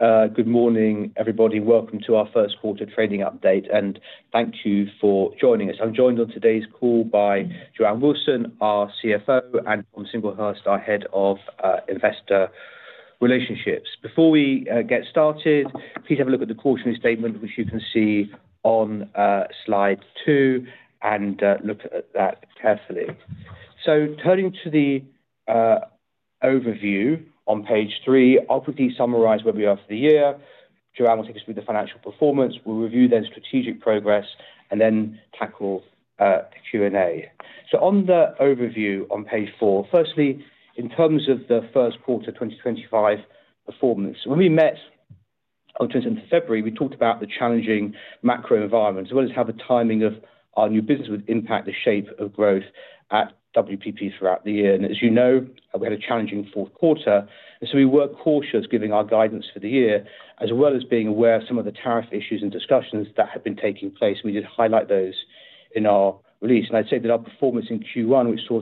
Good morning, everybody. Welcome to our first quarter trading update, and thank you for joining us. I'm joined on today's call by Joanne Wilson, our CFO, and Tom Singlehurst, our Head of Investor Relations. Before we get started, please have a look at the quarterly statement, which you can see on slide two, and look at that carefully. Turning to the overview on page three, I'll quickly summarize where we are for the year. Joanne will take us through the financial performance. We'll review then strategic progress and then tackle the Q&A. On the overview on page four, firstly, in terms of the first quarter 2025 performance, when we met on 27 February, we talked about the challenging macro environment, as well as how the timing of our new business would impact the shape of growth at WPP throughout the year. As you know, we had a challenging fourth quarter. We were cautious, giving our guidance for the year, as well as being aware of some of the tariff issues and discussions that had been taking place. We did highlight those in our release. I'd say that our performance in Q1, which saw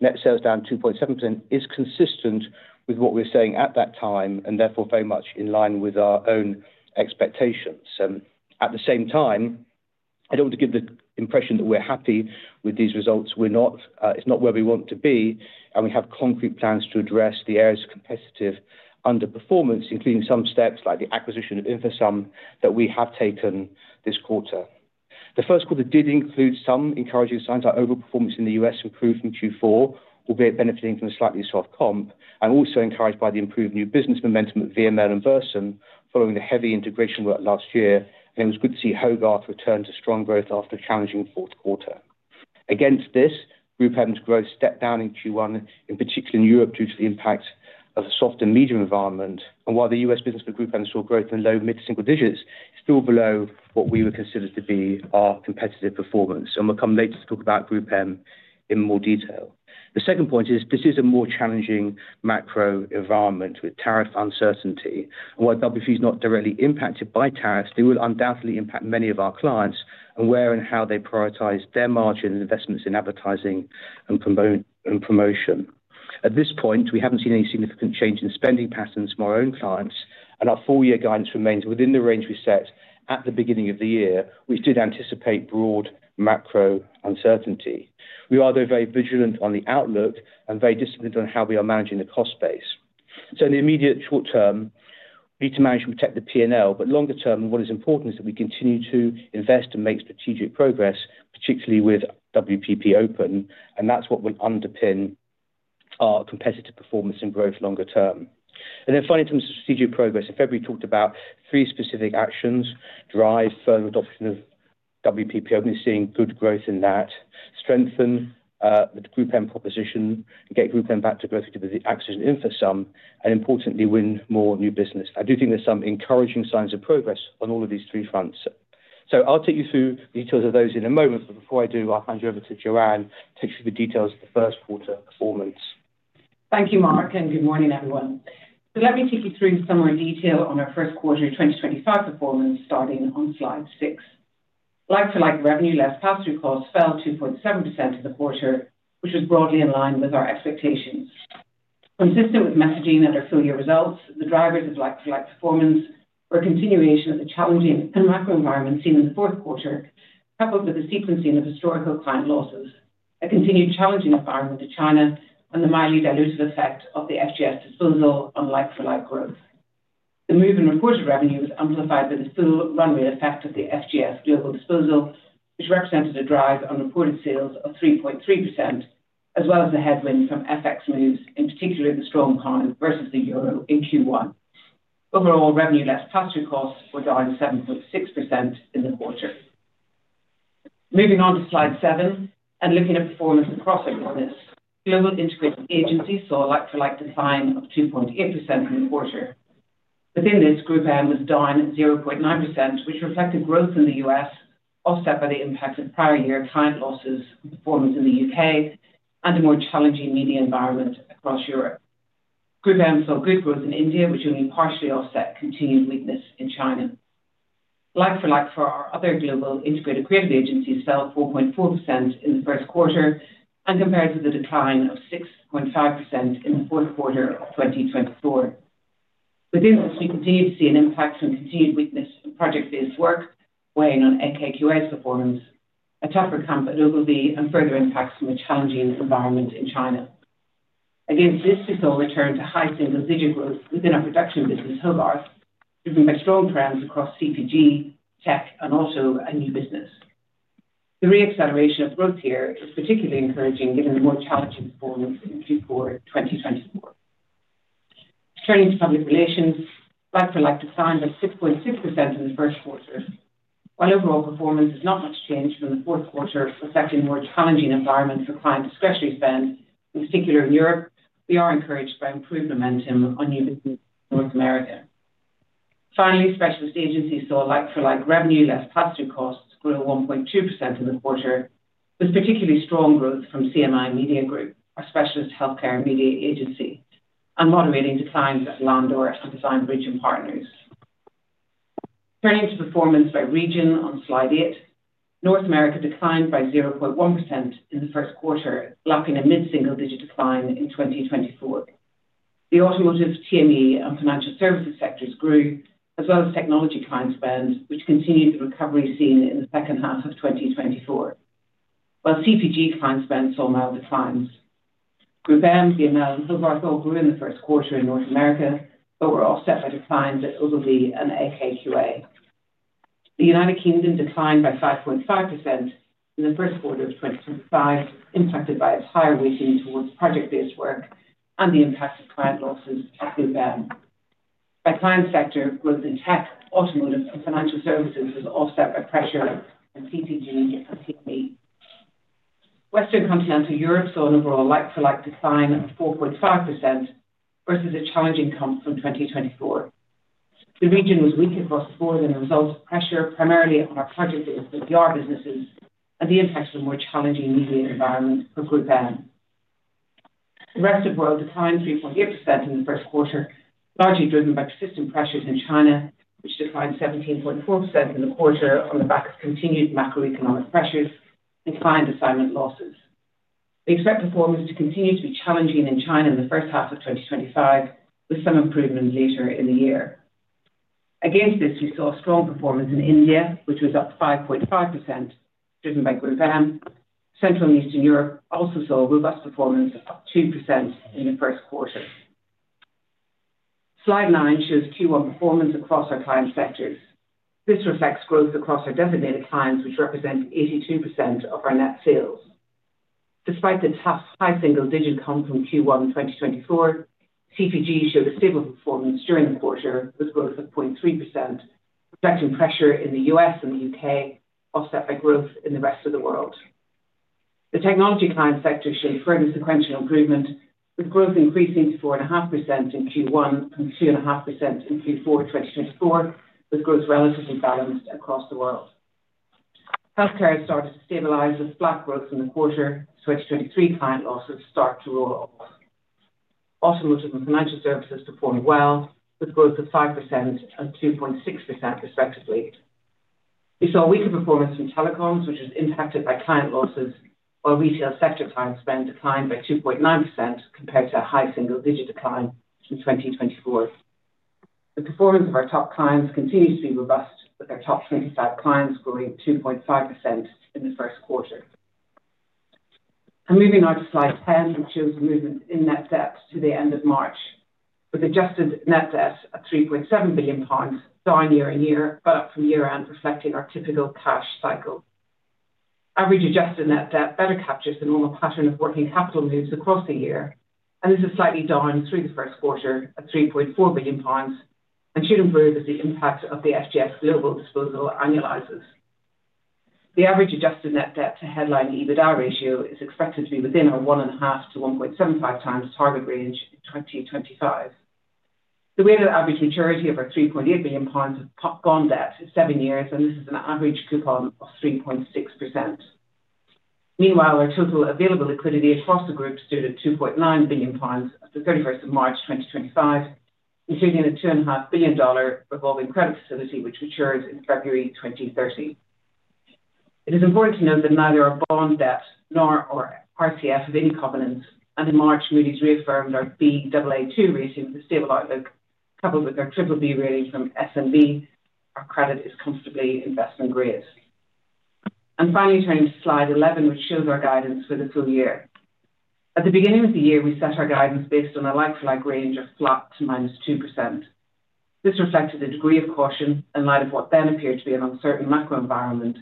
net sales down 2.7%, is consistent with what we were saying at that time, and therefore very much in line with our own expectations. At the same time, I don't want to give the impression that we're happy with these results. It's not where we want to be, and we have concrete plans to address the areas of competitive underperformance, including some steps like the acquisition of Infosum that we have taken this quarter. The first quarter did include some encouraging signs. Our overall performance in the US improved from Q4, albeit benefiting from a slightly soft comp, and also encouraged by the improved new business momentum at VML and Versum following the heavy integration work last year. It was good to see Hogarth return to strong growth after a challenging fourth quarter. Against this, GroupM's growth stepped down in Q1, in particular in Europe due to the impact of a soft and medium environment. While the US business for GroupM saw growth in low, mid, and single digits, still below what we would consider to be our competitive performance. We will come later to talk about GroupM in more detail. The second point is, this is a more challenging macro environment with tariff uncertainty. While WPP is not directly impacted by tariffs, they will undoubtedly impact many of our clients and where and how they prioritize their margin investments in advertising and promotion. At this point, we have not seen any significant change in spending patterns from our own clients, and our four-year guidance remains within the range we set at the beginning of the year, which did anticipate broad macro uncertainty. We are, though, very vigilant on the outlook and very disciplined on how we are managing the cost base. In the immediate short term, we need to manage and protect the P&L, but longer term, what is important is that we continue to invest and make strategic progress, particularly with WPP Open, and that is what will underpin our competitive performance and growth longer term. Finally, in terms of strategic progress, in February, we talked about three specific actions: drive firm adoption of WPP, obviously seeing good growth in that; strengthen the GroupM proposition, get GroupM back to growth with the acquisition of Infosum; and importantly, win more new business. I do think there are some encouraging signs of progress on all of these three fronts. I will take you through the details of those in a moment, but before I do, I will hand you over to Joanne to take us through the details of the first quarter performance. Thank you, Mark, and good morning, everyone. Let me take you through some more detail on our first quarter 2025 performance starting on slide six. Like-for-like revenue, less pass-through costs, fell 2.7% for the quarter, which was broadly in line with our expectations. Consistent with messaging at our full-year results, the drivers of like-for-like performance were a continuation of the challenging macro environment seen in the fourth quarter, coupled with the sequencing of historical client losses, a continued challenging environment to China, and the mildly dilutive effect of the FGS Global disposal on like-for-like growth. The move in reported revenue was amplified by the full runway effect of the FGS Global disposal, which represented a drag on reported sales of 3.3%, as well as the headwind from FX moves, in particular the strong pound versus the euro in Q1. Overall revenue, less pass-through costs, was down 7.6% in the quarter. Moving on to slide seven and looking at performance across the business, global integrated agencies saw like-for-like decline of 2.8% in the quarter. Within this, GroupM was down 0.9%, which reflected growth in the U.S., offset by the impact of prior year client losses and performance in the U.K., and a more challenging media environment across Europe. GroupM saw good growth in India, which only partially offset continued weakness in China. Like-for-like for our other global integrated creative agencies fell 4.4% in the first quarter and compared with a decline of 6.5% in the fourth quarter of 2024. Within this, we continue to see an impact from continued weakness in project-based work weighing on AKQA's performance, a tougher comp at Ogilvy, and further impacts from a challenging environment in China. Against this, we saw a return to high single-digit growth within our production business, Hogarth, driven by strong trends across CPG, tech, and auto and new business. The re-acceleration of growth here is particularly encouraging given the more challenging performance in Q4 2024. Turning to public relations, like-for-like declined by 6.6% in the first quarter. While overall performance is not much changed from the fourth quarter, reflecting a more challenging environment for client discretionary spend, in particular in Europe, we are encouraged by improved momentum on new business in North America. Finally, specialist agencies saw like-for-like revenue, less pass-through costs, grow 1.2% in the quarter, with particularly strong growth from CMI Media Group, our specialist healthcare media agency, and moderating declines at Landor and Design Bridge and Partners. Turning to performance by region on slide eight, North America declined by 0.1% in the first quarter, lapping a mid-single-digit decline in 2024. The automotive, TME, and financial services sectors grew, as well as technology client spend, which continued the recovery seen in the second half of 2024, while CPG client spend saw mild declines. GroupM, VML, and Hogarth all grew in the first quarter in North America, but were offset by declines at Ogilvy and AKQA. The United Kingdom declined by 5.5% in the first quarter of 2025, impacted by its higher weighting towards project-based work and the impact of client losses at GroupM. By client sector, growth in tech, automotive, and financial services was offset by pressure from CPG and TME. Western Continental Europe saw an overall like-for-like decline of 4.5% versus a challenging comp from 2024. The region was weak across the board and resulted in pressure primarily on our project-based PPR businesses and the impact of a more challenging media environment for GroupM. The rest of the world declined 3.8% in the first quarter, largely driven by persistent pressures in China, which declined 17.4% in the quarter on the back of continued macroeconomic pressures and client assignment losses. We expect performance to continue to be challenging in China in the first half of 2025, with some improvement later in the year. Against this, we saw strong performance in India, which was up 5.5%, driven by GroupM. Central and Eastern Europe also saw robust performance of up 2% in the first quarter. Slide nine shows Q1 performance across our client sectors. This reflects growth across our designated clients, which represent 82% of our net sales. Despite the tough high single-digit comp from Q1 2024, CPG showed a stable performance during the quarter with growth of 0.3%, reflecting pressure in the U.S. and the U.K., offset by growth in the rest of the world. The technology client sector showed further sequential improvement, with growth increasing to 4.5% in Q1 and 2.5% in Q4 2024, with growth relatively balanced across the world. Healthcare has started to stabilize with flat growth in the quarter, as 2023 client losses start to roll off. Automotive and financial services performed well, with growth of 5% and 2.6%, respectively. We saw weaker performance from telecoms, which was impacted by client losses, while retail sector client spend declined by 2.9% compared to a high single-digit decline in 2024. The performance of our top clients continues to be robust, with our top 25 clients growing 2.5% in the first quarter. Moving on to slide ten, which shows the movement in net debt to the end of March, with adjusted net debt at 3.7 billion pounds, down year on year, but up from year-end, reflecting our typical cash cycle. Average adjusted net debt better captures the normal pattern of working capital moves across the year, and this is slightly down through the first quarter at 3.4 billion pounds, and should improve as the impact of the FGS Global disposal annualizes. The average adjusted net debt to headline EBITDA ratio is expected to be within our 1.5-1.75 times target range in 2025. The weighted average maturity of our 3.8 billion pounds of bond debt is seven years, and this is an average coupon of 3.6%. Meanwhile, our total available liquidity across the group stood at 2.9 billion pounds at the 31st of March 2025, including a $2.5 billion revolving credit facility which matures in February 2030. It is important to note that neither our bond debt nor our RCF have any covenants, and in March, Moody's reaffirmed our BAA2 rating with a stable outlook, coupled with our BBB rating from S&P, our credit is comfortably investment-grade. Finally, turning to slide 11, which shows our guidance for the full year. At the beginning of the year, we set our guidance based on a like-for-like range of flat to -2%. This reflected a degree of caution in light of what then appeared to be an uncertain macro environment,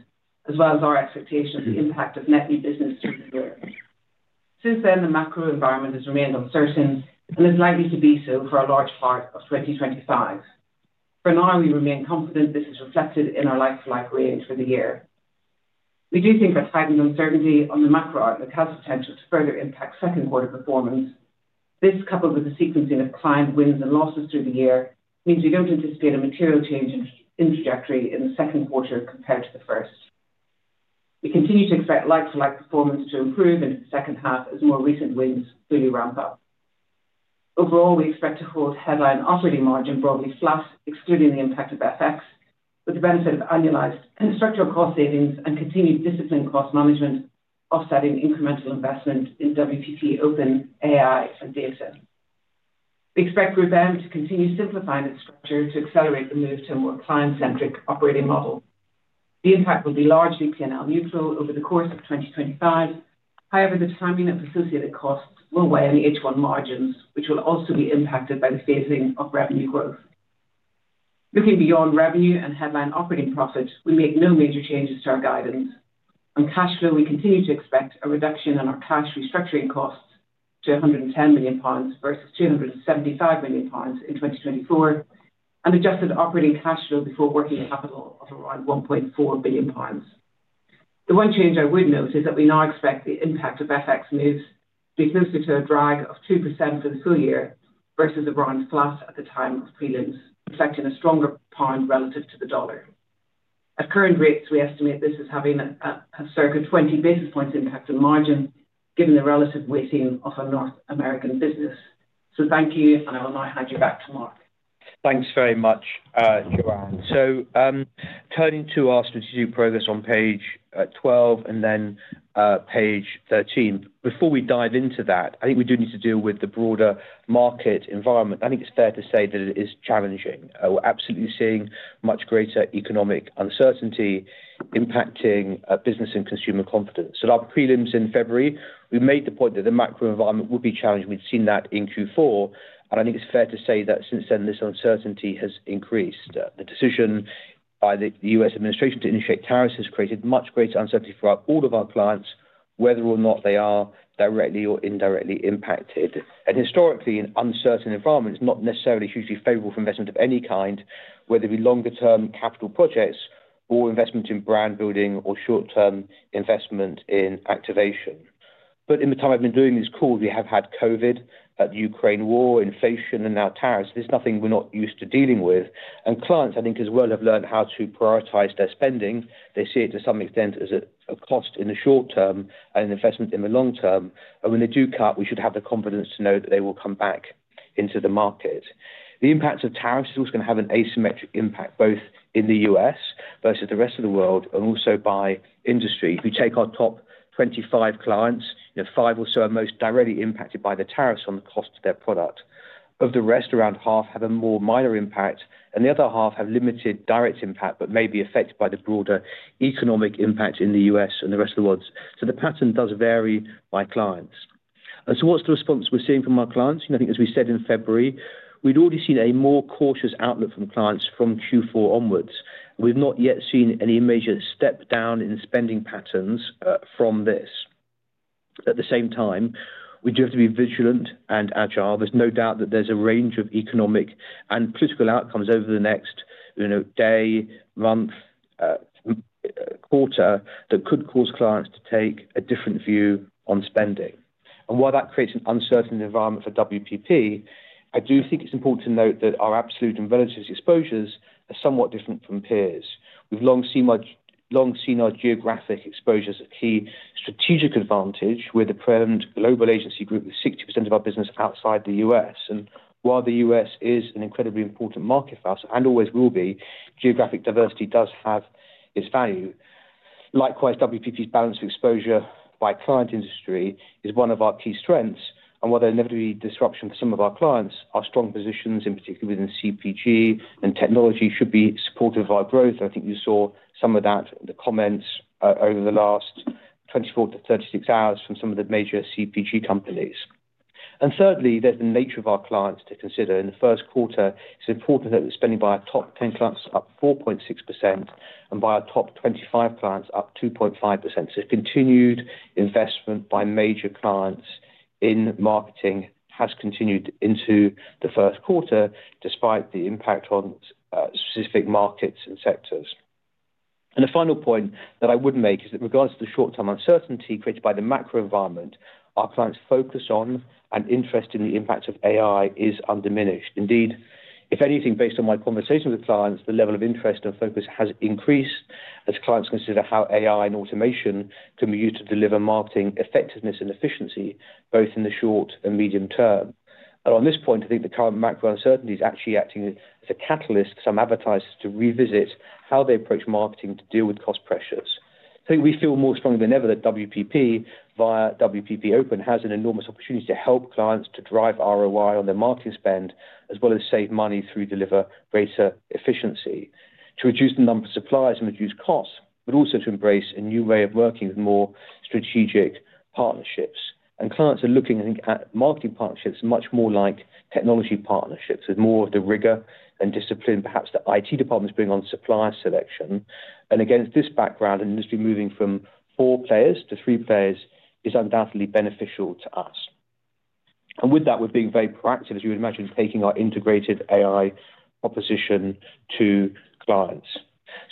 as well as our expectation of the impact of net new business through the year. Since then, the macro environment has remained uncertain and is likely to be so for a large part of 2025. For now, we remain confident this is reflected in our like-for-like range for the year. We do think that heightened uncertainty on the macro outlook has the potential to further impact second-quarter performance. This, coupled with the sequencing of client wins and losses through the year, means we do not anticipate a material change in trajectory in the second quarter compared to the first. We continue to expect like-for-like performance to improve into the second half as more recent wins fully ramp up. Overall, we expect to hold headline operating margin broadly flat, excluding the impact of FX, with the benefit of annualized and structural cost savings and continued disciplined cost management, offsetting incremental investment in WPP Open, AI, and Data. We expect GroupM to continue simplifying its structure to accelerate the move to a more client-centric operating model. The impact will be largely P&L neutral over the course of 2025. However, the timing of associated costs will weigh on the H1 margins, which will also be impacted by the phasing of revenue growth. Looking beyond revenue and headline operating profit, we make no major changes to our guidance. On cash flow, we continue to expect a reduction in our cash restructuring costs to 110 million pounds versus 275 million pounds in 2024, and adjusted operating cash flow before working capital of around 1.4 billion pounds. The one change I would note is that we now expect the impact of FX moves to be closer to a drag of 2% for the full year versus around flat at the time of pre-limbs, reflecting a stronger pound relative to the dollar. At current rates, we estimate this is having a circa 20 basis points impact on margin, given the relative weighting of our North American business. Thank you, and I will now hand you back to Mark. Thanks very much, Joanne. Turning to our strategic progress on page 12 and then page 13, before we dive into that, I think we do need to deal with the broader market environment. I think it's fair to say that it is challenging. We're absolutely seeing much greater economic uncertainty impacting business and consumer confidence. At our pre-limbs in February, we made the point that the macro environment would be challenged. We'd seen that in Q4, and I think it's fair to say that since then, this uncertainty has increased. The decision by the U.S. administration to initiate tariffs has created much greater uncertainty for all of our clients, whether or not they are directly or indirectly impacted. Historically, an uncertain environment is not necessarily hugely favorable for investment of any kind, whether it be longer-term capital projects or investment in brand building or short-term investment in activation. In the time I've been doing these calls, we have had COVID, the Ukraine war, inflation, and now tariffs. This is nothing we're not used to dealing with. Clients, I think, as well, have learned how to prioritize their spending. They see it to some extent as a cost in the short term and an investment in the long term. When they do cut, we should have the confidence to know that they will come back into the market. The impact of tariffs is also going to have an asymmetric impact, both in the U.S. versus the rest of the world, and also by industry. If you take our top 25 clients, five or so are most directly impacted by the tariffs on the cost of their product. Of the rest, around half have a more minor impact, and the other half have limited direct impact but may be affected by the broader economic impact in the U.S. and the rest of the world. The pattern does vary by clients. What's the response we're seeing from our clients? I think, as we said in February, we'd already seen a more cautious outlook from clients from Q4 onwards. We've not yet seen any major step down in spending patterns from this. At the same time, we do have to be vigilant and agile. There's no doubt that there's a range of economic and political outcomes over the next day, month, quarter that could cause clients to take a different view on spending. While that creates an uncertain environment for WPP, I do think it's important to note that our absolute and relative exposures are somewhat different from peers. We've long seen our geographic exposure as a key strategic advantage, with a proven global agency group with 60% of our business outside the U.S. The U.S. is an incredibly important market for us and always will be, but geographic diversity does have its value. Likewise, WPP's balance of exposure by client industry is one of our key strengths. While there are inevitably disruptions for some of our clients, our strong positions, in particular within CPG and technology, should be supportive of our growth. I think you saw some of that in the comments over the last 24-36 hours from some of the major CPG companies. Thirdly, there's the nature of our clients to consider. In the first quarter, it's important that we're spending by our top 10 clients up 4.6% and by our top 25 clients up 2.5%. Continued investment by major clients in marketing has continued into the first quarter, despite the impact on specific markets and sectors. The final point that I would make is that in regards to the short-term uncertainty created by the macro environment, our clients' focus on and interest in the impact of AI is undiminished. Indeed, if anything, based on my conversation with clients, the level of interest and focus has increased as clients consider how AI and automation can be used to deliver marketing effectiveness and efficiency, both in the short and medium term. On this point, I think the current macro uncertainty is actually acting as a catalyst for some advertisers to revisit how they approach marketing to deal with cost pressures. I think we feel more strongly than ever that WPP, via WPP Open, has an enormous opportunity to help clients to drive ROI on their marketing spend, as well as save money through delivering greater efficiency, to reduce the number of suppliers and reduce costs, but also to embrace a new way of working with more strategic partnerships. Clients are looking, I think, at marketing partnerships much more like technology partnerships, with more of the rigor and discipline, perhaps, that IT departments bring on supplier selection. Against this background, an industry moving from four players to three players is undoubtedly beneficial to us. With that, we're being very proactive, as you would imagine, taking our integrated AI proposition to clients.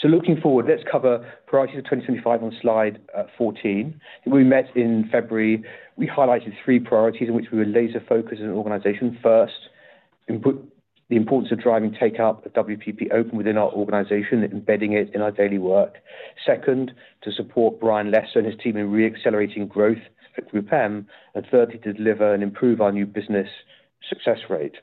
Looking forward, let's cover priorities for 2025 on slide 14. We met in February. We highlighted three priorities in which we would laser focus as an organization. First, the importance of driving take-up of WPP Open within our organization, embedding it in our daily work. Second, to support Brian Lesser and his team in re-accelerating growth at GroupM. Thirdly, to deliver and improve our new business success rate.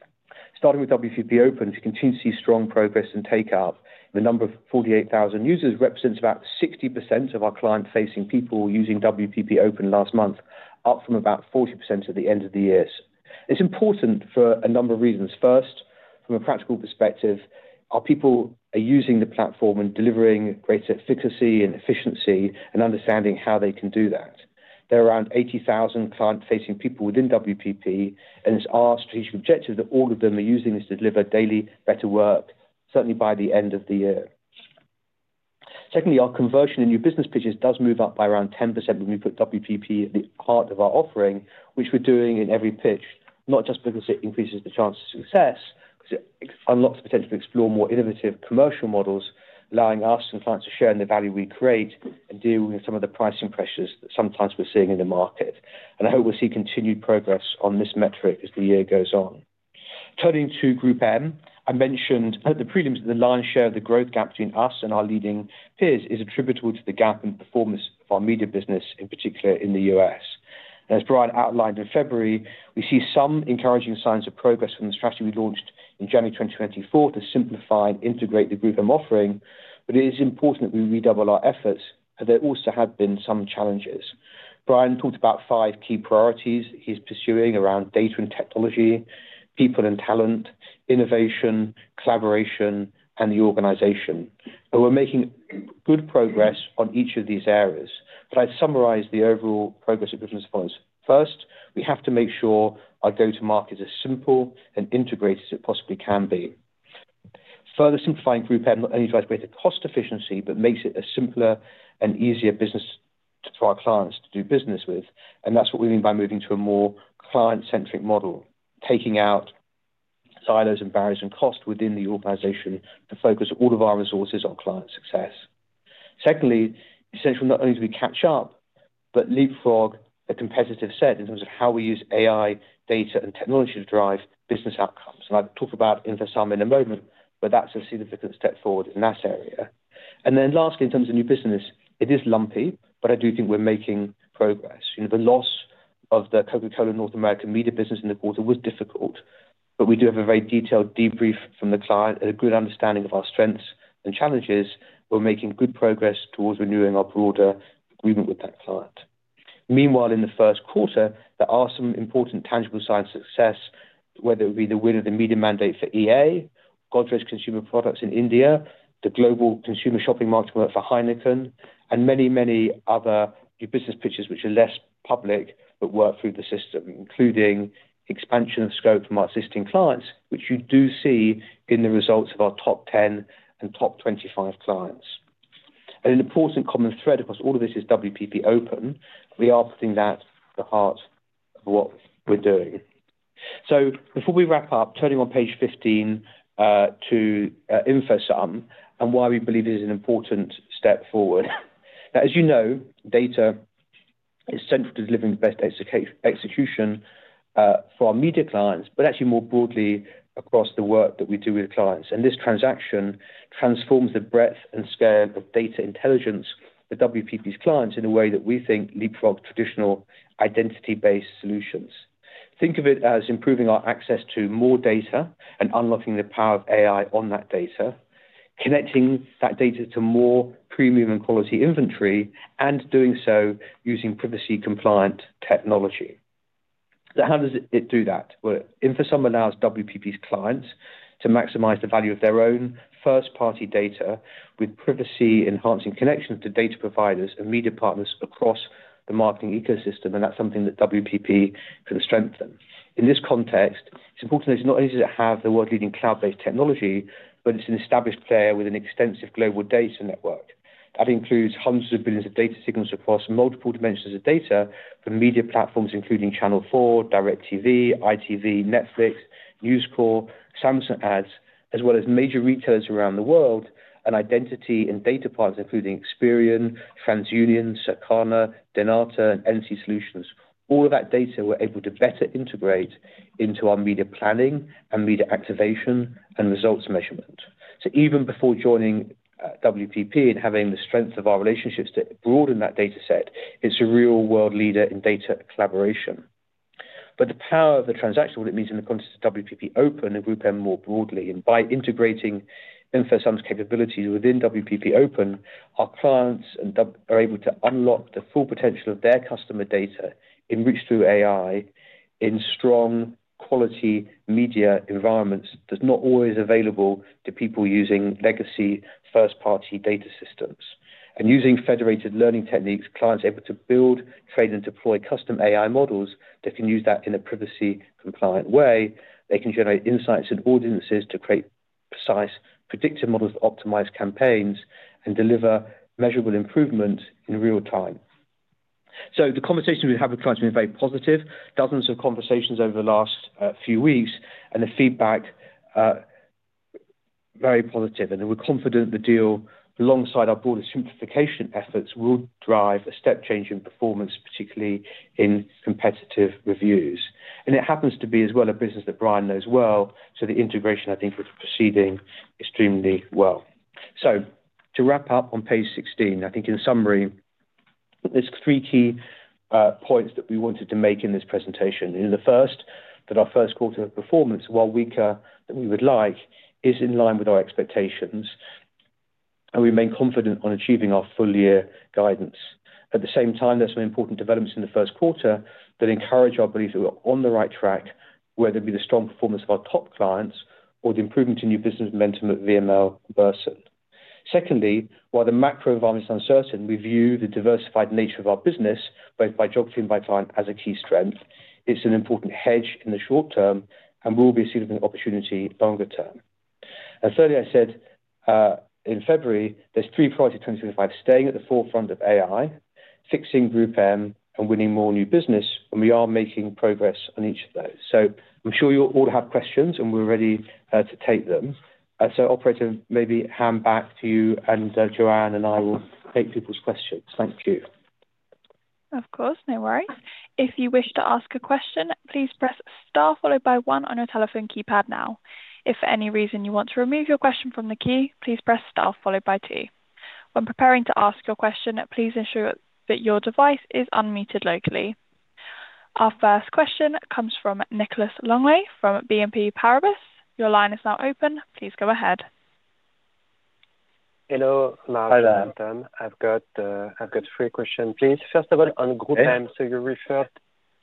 Starting with WPP Open, we continue to see strong progress and take-up. The number of 48,000 users represents about 60% of our client-facing people using WPP Open last month, up from about 40% at the end of the year. It's important for a number of reasons. First, from a practical perspective, our people are using the platform and delivering greater efficacy and efficiency and understanding how they can do that. There are around 80,000 client-facing people within WPP, and it's our strategic objective that all of them are using this to deliver daily better work, certainly by the end of the year. Secondly, our conversion in new business pitches does move up by around 10% when we put WPP at the heart of our offering, which we're doing in every pitch, not just because it increases the chance of success, because it unlocks the potential to explore more innovative commercial models, allowing us and clients to share in the value we create and deal with some of the pricing pressures that sometimes we're seeing in the market. I hope we'll see continued progress on this metric as the year goes on. Turning to GroupM, I mentioned that the pre-limbs and the lion's share of the growth gap between us and our leading peers is attributable to the gap in performance of our media business, in particular in the U.S. As Brian outlined in February, we see some encouraging signs of progress from the strategy we launched in January 2024 to simplify and integrate the GroupM offering, but it is important that we redouble our efforts, but there also have been some challenges. Brian talked about five key priorities he's pursuing around data and technology, people and talent, innovation, collaboration, and the organization. We're making good progress on each of these areas. I'd summarize the overall progress of business performance. First, we have to make sure our go-to-market is as simple and integrated as it possibly can be. Further simplifying GroupM not only drives greater cost efficiency, but makes it a simpler and easier business for our clients to do business with. That is what we mean by moving to a more client-centric model, taking out silos and barriers and cost within the organization to focus all of our resources on client success. Secondly, essential not only do we catch up, but leapfrog a competitive set in terms of how we use AI, data, and technology to drive business outcomes. I will talk about Infosum in a moment, but that is a significant step forward in that area. Lastly, in terms of new business, it is lumpy, but I do think we are making progress. The loss of the Coca-Cola North America media business in the quarter was difficult, but we do have a very detailed debrief from the client and a good understanding of our strengths and challenges. We're making good progress towards renewing our broader agreement with that client. Meanwhile, in the first quarter, there are some important tangible signs of success, whether it be the win of the media mandate for EA, Godrej's consumer products in India, the global consumer shopping market for Heineken, and many, many other new business pitches which are less public but work through the system, including expansion of scope from our existing clients, which you do see in the results of our top 10 and top 25 clients. An important common thread across all of this is WPP Open. We are putting that at the heart of what we're doing. Before we wrap up, turning on page 15 to Infosum and why we believe it is an important step forward. Now, as you know, data is central to delivering the best execution for our media clients, but actually more broadly across the work that we do with clients. This transaction transforms the breadth and scale of data intelligence for WPP's clients in a way that we think leapfrogs traditional identity-based solutions. Think of it as improving our access to more data and unlocking the power of AI on that data, connecting that data to more premium and quality inventory, and doing so using privacy-compliant technology. How does it do that? Infosum allows WPP's clients to maximize the value of their own first-party data with privacy-enhancing connections to data providers and media partners across the marketing ecosystem, and that is something that WPP can strengthen. In this context, it's important that it's not only does it have the world-leading cloud-based technology, but it's an established player with an extensive global data network. That includes hundreds of billions of data signals across multiple dimensions of data from media platforms, including Channel 4, DirecTV, ITV, Netflix, News Corp, Samsung Ads, as well as major retailers around the world, and identity and data partners, including Experian, TransUnion, Circana, Donata, and NC Solutions. All of that data we're able to better integrate into our media planning and media activation and results measurement. Even before joining WPP and having the strength of our relationships to broaden that data set, it's a real-world leader in data collaboration. The power of the transaction, what it means in the context of WPP Open and GroupM more broadly, and by integrating Infosum's capabilities within WPP Open, our clients are able to unlock the full potential of their customer data enriched through AI in strong quality media environments that's not always available to people using legacy first-party data systems. Using federated learning techniques, clients are able to build, train, and deploy custom AI models that can use that in a privacy-compliant way. They can generate insights and audiences to create precise predictive models that optimize campaigns and deliver measurable improvement in real time. The conversations we've had with clients have been very positive. Dozens of conversations over the last few weeks, and the feedback, very positive. We're confident the deal, alongside our broader simplification efforts, will drive a step change in performance, particularly in competitive reviews. It happens to be, as well, a business that Brian knows well, so the integration, I think, would be proceeding extremely well. To wrap up on page 16, I think, in summary, there are three key points that we wanted to make in this presentation. In the first, that our first quarter performance, while weaker than we would like, is in line with our expectations, and we remain confident on achieving our full-year guidance. At the same time, there are some important developments in the first quarter that encourage our belief that we're on the right track, whether it be the strong performance of our top clients or the improvement in new business momentum at VML Bursard. Secondly, while the macro environment is uncertain, we view the diversified nature of our business, both by geography and by client, as a key strength. It's an important hedge in the short term, and we'll be a significant opportunity longer term. Thirdly, I said in February, there's three priorities for 2025: staying at the forefront of AI, fixing GroupM, and winning more new business, and we are making progress on each of those. I'm sure you all have questions, and we're ready to take them. Operator, maybe hand back to you, and Joanne and I will take people's questions. Thank you. Of course, no worries. If you wish to ask a question, please press Star followed by 1 on your telephone keypad now. If for any reason you want to remove your question from the key, please press Star followed by 2. When preparing to ask your question, please ensure that your device is unmuted locally. Our first question comes from Nicholas Longley from BNP Paribas. Your line is now open. Please go ahead. Hello. Hi, there. I've got three questions. Please, first of all, on GroupM,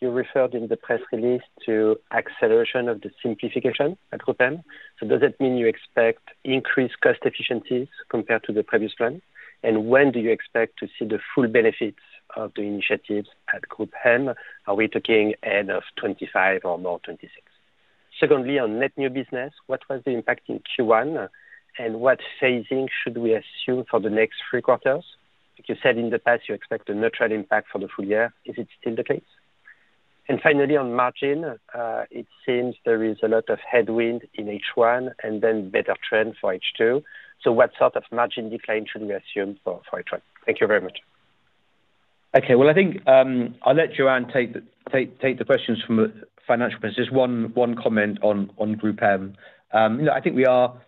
you referred in the press release to acceleration of the simplification at GroupM. Does that mean you expect increased cost efficiencies compared to the previous plan? When do you expect to see the full benefits of the initiatives at GroupM? Are we talking end of 2025 or more 2026? Secondly, on net new business, what was the impact in Q1, and what phasing should we assume for the next three quarters? Like you said in the past, you expect a natural impact for the full year. Is it still the case? Finally, on margin, it seems there is a lot of headwind in H1 and then better trend for H2. What sort of margin decline should we assume for H1? Thank you very much. Okay. I think I'll let Joanne take the questions from a financial perspective. Just one comment on GroupM. I think we are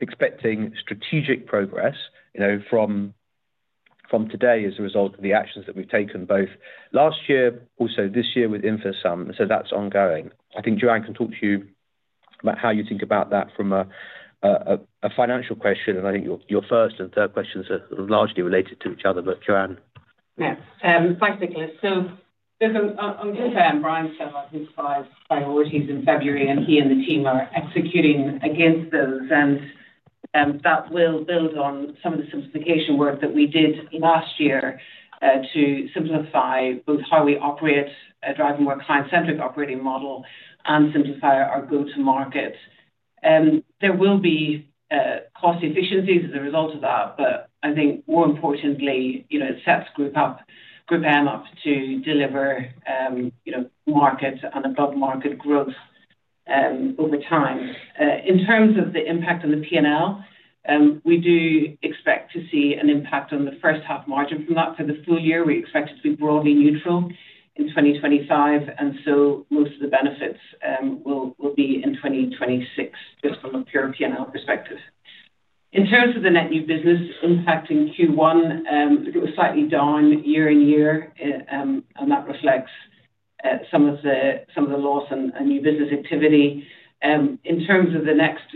expecting strategic progress from today as a result of the actions that we've taken, both last year, also this year with Infosum. That is ongoing. I think Joanne can talk to you about how you think about that from a financial question. I think your first and third questions are largely related to each other, but Joanne. Yes. Thanks, Nicholas. On GroupM, Brian said about his five priorities in February, and he and the team are executing against those. That will build on some of the simplification work that we did last year to simplify both how we operate, driving a more client-centric operating model, and simplify our go-to-market. There will be cost efficiencies as a result of that, but I think, more importantly, it sets GroupM up to deliver market and above-market growth over time. In terms of the impact on the P&L, we do expect to see an impact on the first-half margin from that. For the full year, we expect it to be broadly neutral in 2025, and so most of the benefits will be in 2026, just from a pure P&L perspective. In terms of the net new business impacting Q1, it was slightly down year-on-year, and that reflects some of the loss and new business activity. In terms of the next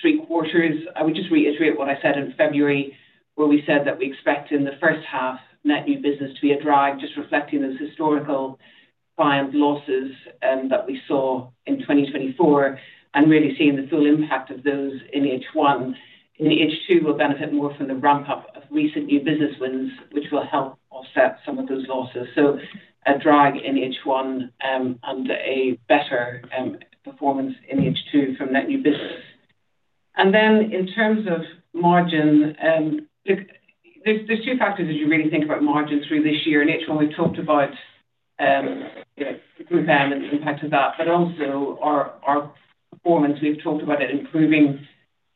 three quarters, I would just reiterate what I said in February, where we said that we expect in the first half, net new business to be a drive, just reflecting those historical client losses that we saw in 2024, and really seeing the full impact of those in H1. In H2, we'll benefit more from the ramp-up of recent new business wins, which will help offset some of those losses. A drag in H1 and a better performance in H2 from net new business. In terms of margin, there are two factors as you really think about margin through this year. In H1, we've talked about GroupM and the impact of that, but also our performance. We've talked about it improving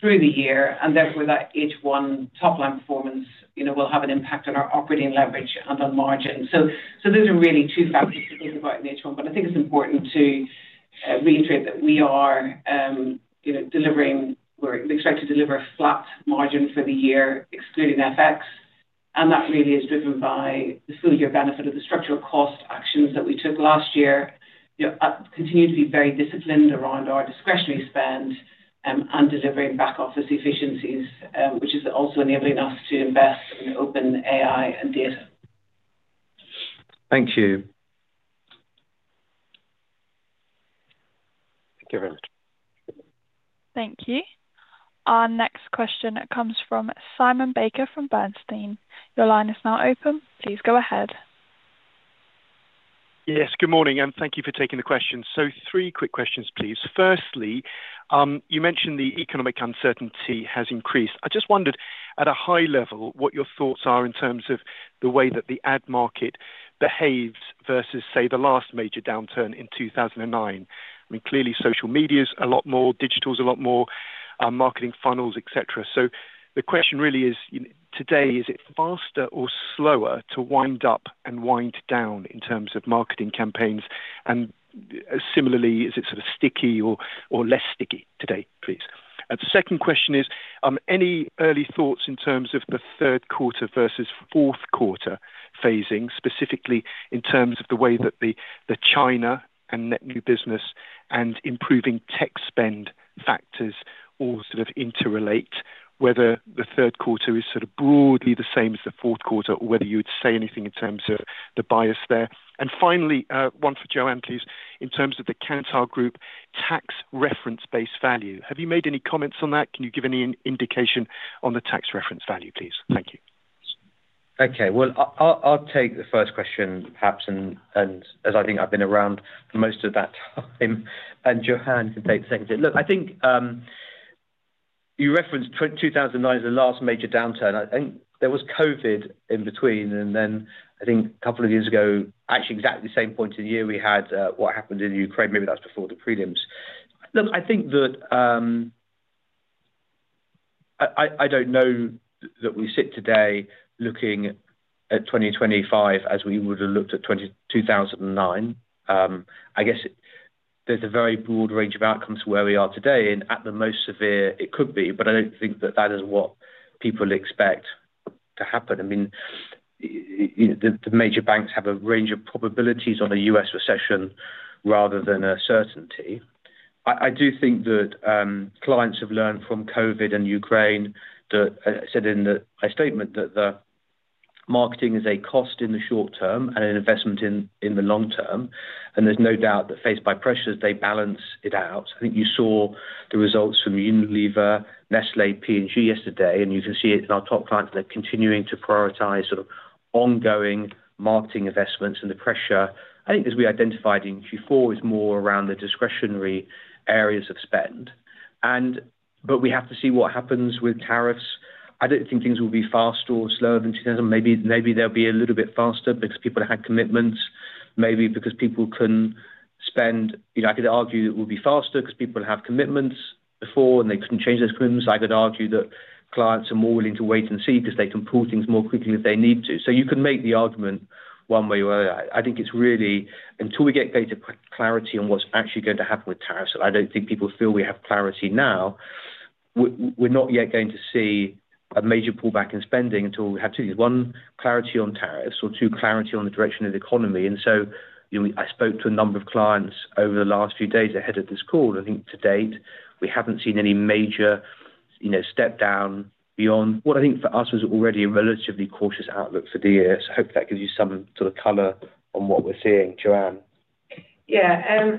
through the year, and therefore, that H1 top-line performance will have an impact on our operating leverage and on margin. Those are really two factors to think about in H1, but I think it's important to reiterate that we are delivering, we're expected to deliver a flat margin for the year, excluding FX, and that really is driven by the full-year benefit of the structural cost actions that we took last year. Continue to be very disciplined around our discretionary spend and delivering back-office efficiencies, which is also enabling us to invest in open AI and data. Thank you. Thank you very much. Thank you. Our next question, it comes from Simon Baker from Bernstein. Your line is now open. Please go ahead. Yes. Good morning, and thank you for taking the question. Three quick questions, please. Firstly, you mentioned the economic uncertainty has increased. I just wondered, at a high level, what your thoughts are in terms of the way that the ad market behaves versus, say, the last major downturn in 2009. I mean, clearly, social media is a lot more, digital is a lot more, marketing funnels, etc. The question really is, today, is it faster or slower to wind up and wind down in terms of marketing campaigns? Similarly, is it sort of sticky or less sticky today, please? The second question is, any early thoughts in terms of the third quarter versus fourth quarter phasing, specifically in terms of the way that the China and net new business and improving tech spend factors all sort of interrelate, whether the third quarter is sort of broadly the same as the fourth quarter, or whether you would say anything in terms of the bias there? Finally, one for Joanne, please, in terms of the Cantar Group tax reference-based value. Have you made any comments on that? Can you give any indication on the tax reference value, please? Thank you. Okay. I will take the first question, perhaps, as I think I have been around for most of that time, and Joanne can take the second. Look, I think you referenced 2009 as the last major downturn. I think there was COVID in between, and then I think a couple of years ago, actually exactly the same point of the year, we had what happened in Ukraine. Maybe that was before the prelims. Look, I think that I do not know that we sit today looking at 2025 as we would have looked at 2009. I guess there's a very broad range of outcomes to where we are today, and at the most severe, it could be, but I don't think that that is what people expect to happen. I mean, the major banks have a range of probabilities on a US recession rather than a certainty. I do think that clients have learned from COVID and Ukraine, as I said in my statement, that marketing is a cost in the short term and an investment in the long term, and there's no doubt that faced by pressures, they balance it out. I think you saw the results from Unilever, Nestlé, P&G yesterday, and you can see it in our top clients that are continuing to prioritize sort of ongoing marketing investments and the pressure. I think as we identified in Q4, it's more around the discretionary areas of spend. We have to see what happens with tariffs. I don't think things will be faster or slower than 2009. Maybe they'll be a little bit faster because people had commitments, maybe because people couldn't spend. I could argue it will be faster because people have commitments before, and they couldn't change those commitments. I could argue that clients are more willing to wait and see because they can pull things more quickly if they need to. You can make the argument one way or another. I think it's really until we get greater clarity on what's actually going to happen with tariffs, and I don't think people feel we have clarity now, we're not yet going to see a major pullback in spending until we have two things: one, clarity on tariffs, or two, clarity on the direction of the economy. I spoke to a number of clients over the last few days ahead of this call, and I think to date, we have not seen any major step down beyond what I think for us was already a relatively cautious outlook for the year. I hope that gives you some sort of color on what we are seeing. Joanne? Yeah.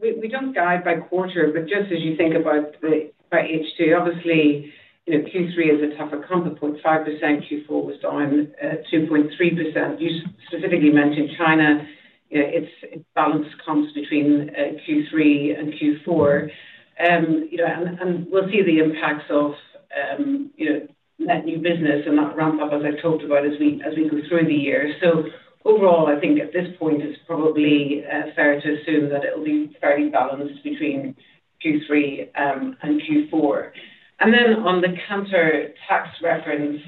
We do not guide by quarter, but just as you think about H2, obviously, Q3 is a tougher comp: 0.5%, Q4 was down 2.3%. You specifically mentioned China. It is balanced comps between Q3 and Q4, and we will see the impacts of net new business and that ramp-up, as I talked about, as we go through the year. Overall, I think at this point, it is probably fair to assume that it will be fairly balanced between Q3 and Q4. On the counter tax reference,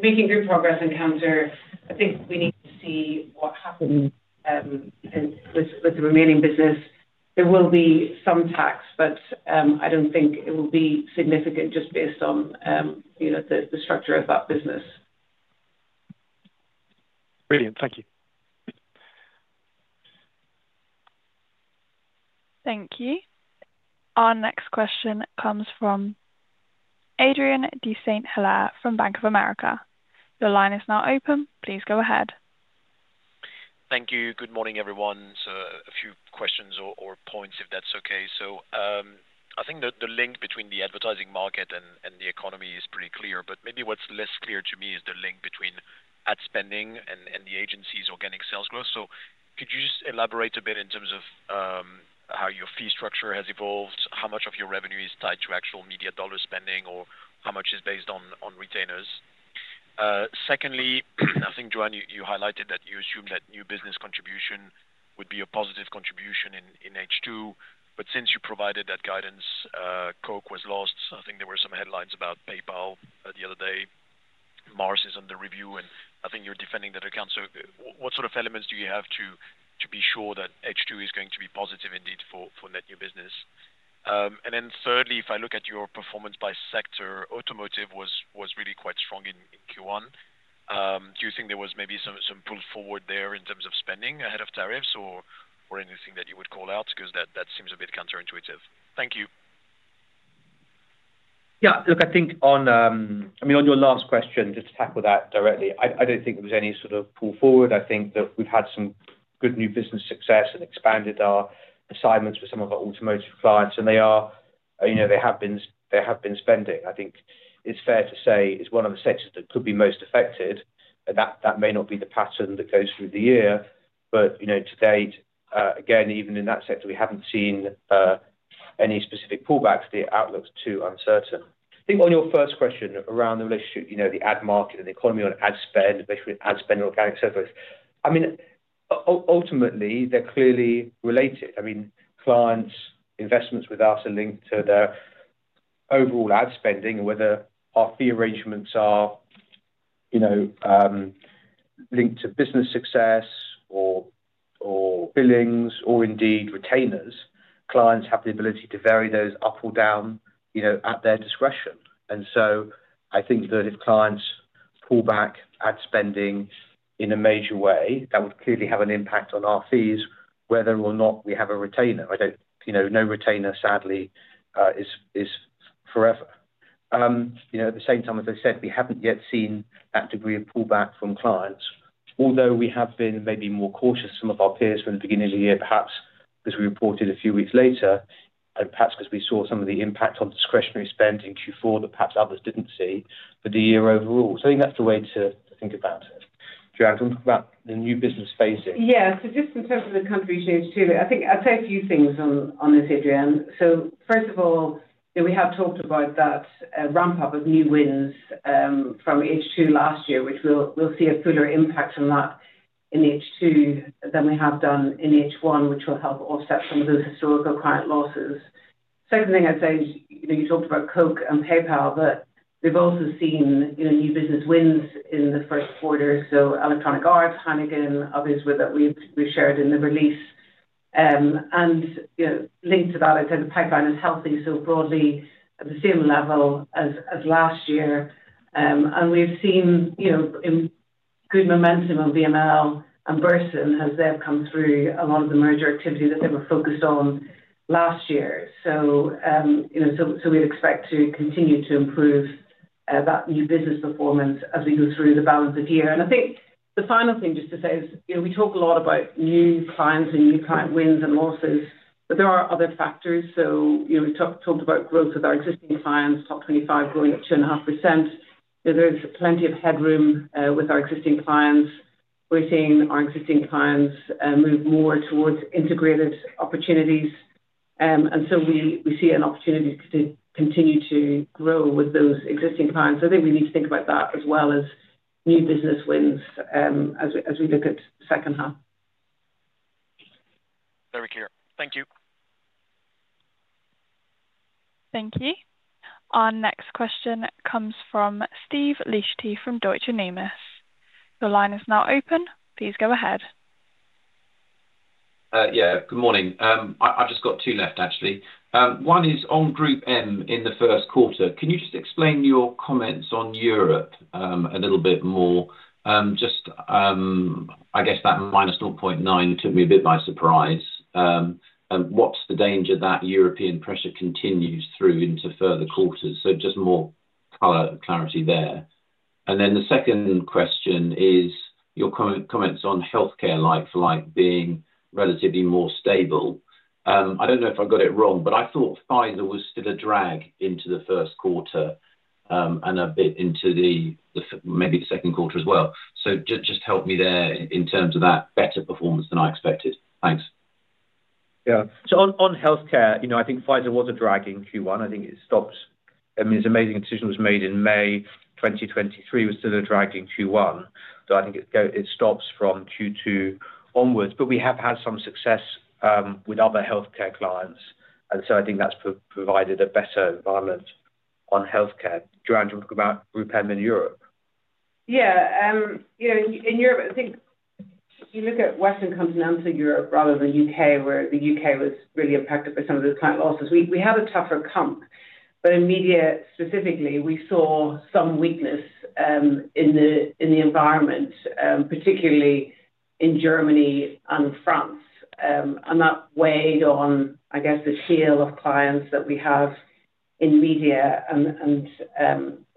making good progress in counter, I think we need to see what happens with the remaining business. There will be some tax, but I do not think it will be significant just based on the structure of that business. Brilliant. Thank you. Thank you. Our next question comes from Adrien de Saint Hilaire from Bank of America. Your line is now open. Please go ahead. Thank you. Good morning, everyone. A few questions or points, if that is okay. I think the link between the advertising market and the economy is pretty clear, but maybe what is less clear to me is the link between ad spending and the agency's organic sales growth. Could you just elaborate a bit in terms of how your fee structure has evolved, how much of your revenue is tied to actual media dollar spending, or how much is based on retainers? Secondly, I think, Joanne, you highlighted that you assume that new business contribution would be a positive contribution in H2, but since you provided that guidance, Cork was lost. I think there were some headlines about PayPal the other day. Mars is under review, and I think you're defending that account. What sort of elements do you have to be sure that H2 is going to be positive indeed for net new business? Thirdly, if I look at your performance by sector, automotive was really quite strong in Q1. Do you think there was maybe some pull forward there in terms of spending ahead of tariffs or anything that you would call out? Because that seems a bit counterintuitive. Thank you. Yeah. Look, I think on, I mean, on your last question, just to tackle that directly, I do not think there was any sort of pull forward. I think that we have had some good new business success and expanded our assignments for some of our automotive clients, and they have been spending. I think it is fair to say it is one of the sectors that could be most affected. That may not be the pattern that goes through the year, but to date, again, even in that sector, we have not seen any specific pullbacks. The outlook is too uncertain. I think on your first question around the relationship, the ad market and the economy on ad spend, basically ad spend and organic sales growth, I mean, ultimately, they're clearly related. I mean, clients' investments with us are linked to their overall ad spending, and whether our fee arrangements are linked to business success or billings or indeed retainers, clients have the ability to vary those up or down at their discretion. I think that if clients pull back ad spending in a major way, that would clearly have an impact on our fees, whether or not we have a retainer. No retainer, sadly, is forever. At the same time, as I said, we haven't yet seen that degree of pullback from clients, although we have been maybe more cautious, some of our peers from the beginning of the year, perhaps because we reported a few weeks later, and perhaps because we saw some of the impact on discretionary spend in Q4 that perhaps others didn't see for the year overall. I think that's the way to think about it. Joanne, do you want to talk about the new business phasing? Yeah. Just in terms of the country change too, I think I'll say a few things on this, Adrien. First of all, we have talked about that ramp-up of new wins from H2 last year, which we'll see a fuller impact on that in H2 than we have done in H1, which will help offset some of those historical client losses. Second thing I'd say is you talked about Cork and PayPal, but we've also seen new business wins in the first quarter. Electronic Arts, Heineken, others that we've shared in the release. Linked to that, I'd say the pipeline is healthy, broadly at the same level as last year. We've seen good momentum on VML and Burson, as they've come through a lot of the merger activity that they were focused on last year. We'd expect to continue to improve that new business performance as we go through the balance of the year. I think the final thing just to say is we talk a lot about new clients and new client wins and losses, but there are other factors. We talked about growth with our existing clients, top 25 growing at 2.5%. There's plenty of headroom with our existing clients. We're seeing our existing clients move more towards integrated opportunities. We see an opportunity to continue to grow with those existing clients. I think we need to think about that as well as new business wins as we look at second half. Very clear. Thank you. Thank you. Our next question comes from Steve Leashtee from Deutsche Numis. Your line is now open. Please go ahead. Yeah. Good morning. I've just got two left, actually. One is on GroupM in the first quarter. Can you just explain your comments on Europe a little bit more? I guess that minus 0.9 took me a bit by surprise. What's the danger that European pressure continues through into further quarters? Just more color clarity there. The second question is your comments on healthcare life being relatively more stable. I don't know if I got it wrong, but I thought Pfizer was still a drag into the first quarter and a bit into maybe the second quarter as well. Just help me there in terms of that better performance than I expected. Thanks. Yeah. On healthcare, I think Pfizer was a drag in Q1. I think it stopped. I mean, this amazing decision was made in May 2023, was still a drag in Q1. I think it stops from Q2 onwards. We have had some success with other healthcare clients, and I think that's provided a better balance on healthcare. Joanne, do you want to talk about GroupM in Europe? Yeah. In Europe, I think if you look at Western Continental Europe rather than the U.K., where the U.K. was really impacted by some of those client losses, we had a tougher comp. In media, specifically, we saw some weakness in the environment, particularly in Germany and France. That weighed on, I guess, the tail of clients that we have in media.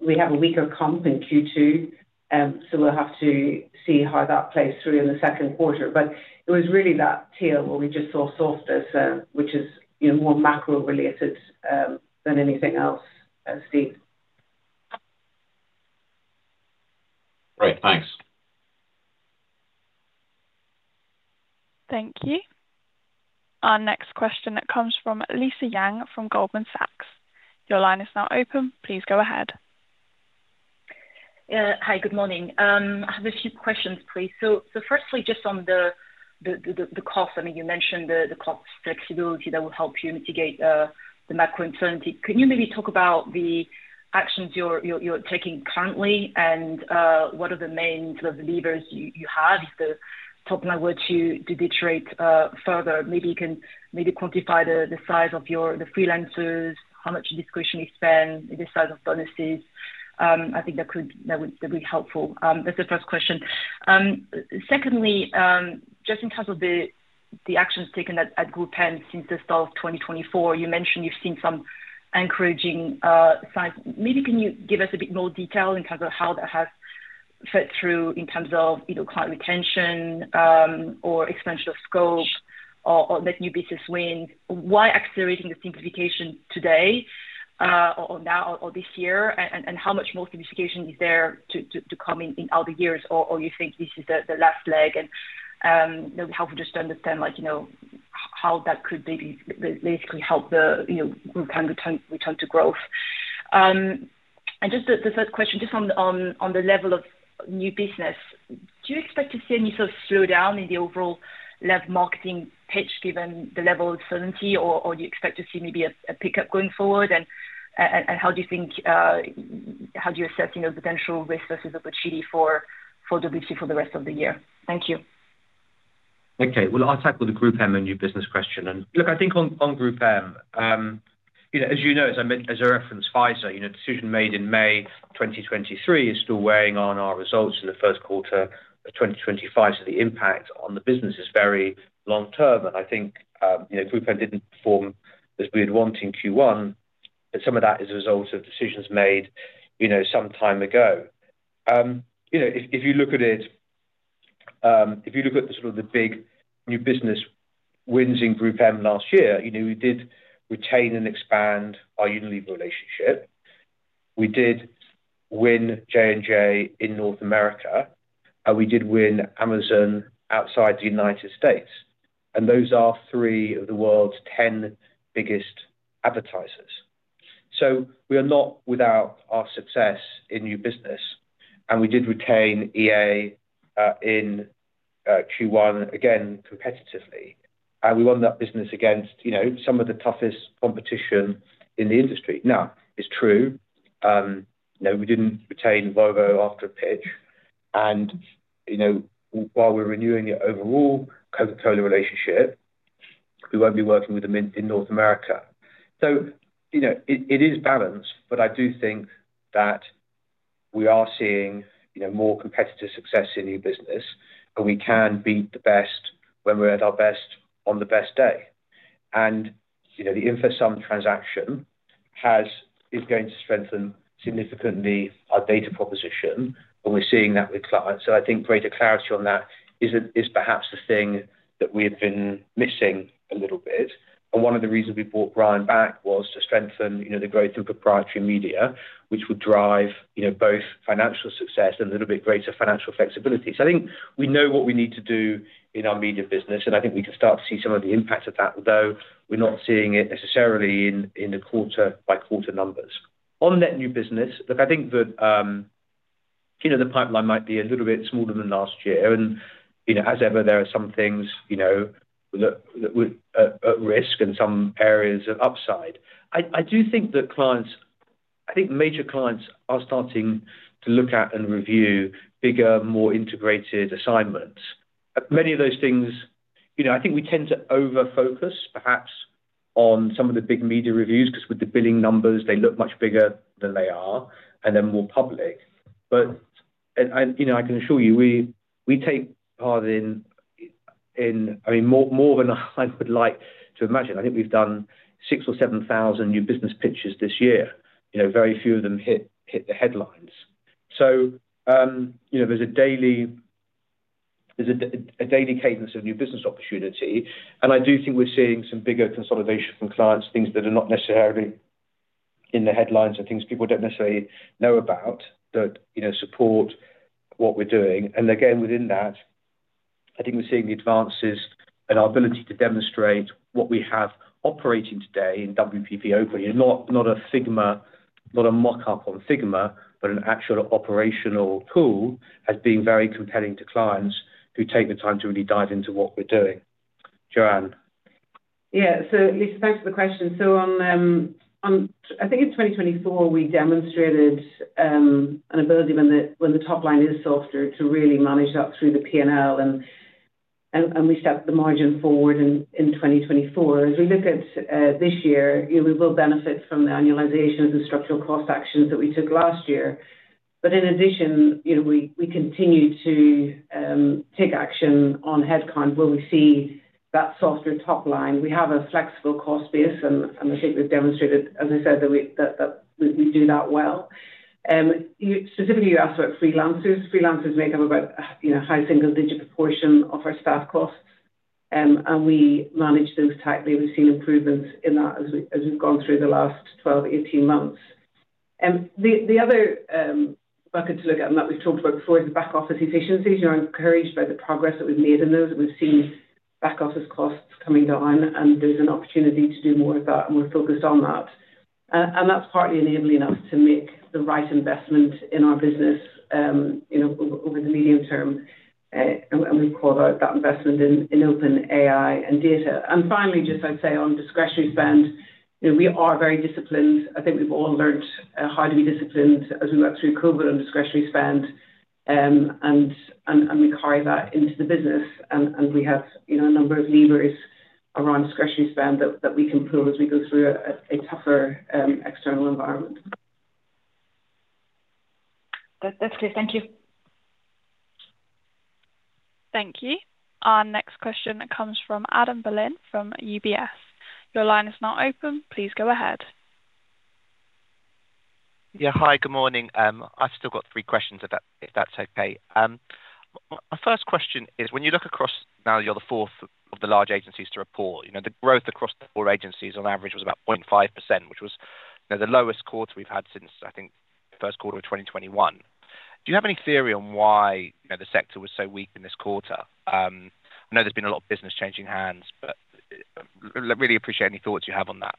We have a weaker comp in Q2, so we'll have to see how that plays through in the second quarter. It was really that tail where we just saw softness, which is more macro-related than anything else, Steve. Great. Thanks. Thank you. Our next question comes from Lisa Yang from Goldman Sachs. Your line is now open. Please go ahead. Hi. Good morning. I have a few questions, please. Firstly, just on the cost, I mean, you mentioned the cost flexibility that will help you mitigate the macro-uncertainty. Can you maybe talk about the actions you're taking currently and what are the main sort of levers you have? Is the top lever to deteriorate further? Maybe you can maybe quantify the size of the freelancers, how much discretionary spend, the size of bonuses. I think that would be helpful. That is the first question. Secondly, just in terms of the actions taken at GroupM since the start of 2024, you mentioned you have seen some encouraging signs. Maybe can you give us a bit more detail in terms of how that has fed through in terms of client retention or expansion of scope or net new business wins? Why accelerating the simplification today or now or this year? How much more simplification is there to come in other years, or do you think this is the last leg? It would be helpful just to understand how that could maybe basically help the group return to growth. Just the third question, just on the level of new business, do you expect to see any sort of slowdown in the overall level marketing pitch given the level of certainty, or do you expect to see maybe a pickup going forward? How do you think, how do you assess potential risk versus opportunity for Q2 for the rest of the year? Thank you. Okay. I'll tackle the GroupM and new business question. Look, I think on GroupM, as you know, as I mentioned, as a reference, Pfizer, decision made in May 2023 is still weighing on our results in the first quarter of 2024. The impact on the business is very long-term. I think GroupM did not perform as we had wanted in Q1, but some of that is a result of decisions made some time ago. If you look at it, if you look at sort of the big new business wins in GroupM last year, we did retain and expand our Unilever relationship. We did win J&J in North America, and we did win Amazon outside the United States. Those are three of the world's 10 biggest advertisers. We are not without our success in new business. We did retain EA in Q1, again, competitively. We won that business against some of the toughest competition in the industry. It is true. We did not retain Volvo after a pitch. While we are renewing the overall Coca-Cola relationship, we will not be working with them in North America. It is balanced, but I do think that we are seeing more competitive success in new business, and we can be the best when we are at our best on the best day. The Infosum transaction is going to strengthen significantly our data proposition, and we're seeing that with clients. I think greater clarity on that is perhaps the thing that we have been missing a little bit. One of the reasons we brought Brian back was to strengthen the growth in proprietary media, which would drive both financial success and a little bit greater financial flexibility. I think we know what we need to do in our media business, and I think we can start to see some of the impact of that, though we're not seeing it necessarily in the quarter-by-quarter numbers. On net new business, look, I think that the pipeline might be a little bit smaller than last year. As ever, there are some things at risk and some areas of upside. I do think that clients, I think major clients, are starting to look at and review bigger, more integrated assignments. Many of those things, I think we tend to over-focus perhaps on some of the big media reviews because with the billing numbers, they look much bigger than they are and then more public. I can assure you, we take part in, I mean, more than I would like to imagine. I think we've done 6,000 or 7,000 new business pitches this year. Very few of them hit the headlines. There is a daily cadence of new business opportunity. I do think we're seeing some bigger consolidation from clients, things that are not necessarily in the headlines and things people do not necessarily know about that support what we're doing. Again, within that, I think we're seeing the advances and our ability to demonstrate what we have operating today in WPP Open. Not a Figma, not a mock-up on Figma, but an actual operational tool as being very compelling to clients who take the time to really dive into what we're doing. Joanne. Yeah. Lisa, thanks for the question. I think in 2024, we demonstrated an ability when the top line is softer to really manage that through the P&L, and we stepped the margin forward in 2024. As we look at this year, we will benefit from the annualization of the structural cost actions that we took last year. In addition, we continue to take action on headcount where we see that softer top line. We have a flexible cost base, and I think we've demonstrated, as I said, that we do that well. Specifically, you asked about freelancers. Freelancers make up about a high single-digit proportion of our staff costs, and we manage those tightly. We've seen improvements in that as we've gone through the last 12, 18 months. The other bucket to look at, and that we've talked about before, is the back office efficiencies. We're encouraged by the progress that we've made in those. We've seen back office costs coming down, and there's an opportunity to do more of that, and we're focused on that. That's partly enabling us to make the right investment in our business over the medium term. We've called out that investment in OpenAI and data. Finally, just I'd say on discretionary spend, we are very disciplined. I think we've all learned how to be disciplined as we work through COVID on discretionary spend. We carry that into the business, and we have a number of levers around discretionary spend that we can pull as we go through a tougher external environment. That's clear. Thank you. Thank you. Our next question comes from Adam Ian Berlin from UBS. Your line is now open. Please go ahead. Yeah. Hi. Good morning. I've still got three questions, if that's okay. My first question is, when you look across now, you're the fourth of the large agencies to report. The growth across the four agencies on average was about 0.5%, which was the lowest quarter we've had since, I think, first quarter of 2021. Do you have any theory on why the sector was so weak in this quarter? I know there's been a lot of business changing hands, but really appreciate any thoughts you have on that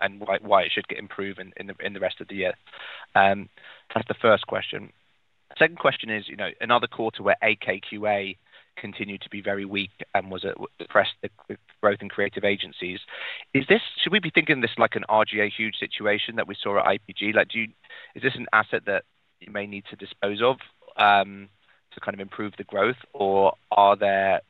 and why it should get improved in the rest of the year. That's the first question. Second question is another quarter where AKQA continued to be very weak and was pressed with growth in creative agencies. Should we be thinking of this like an RGA huge situation that we saw at IPG? Is this an asset that you may need to dispose of to kind of improve the growth, or are there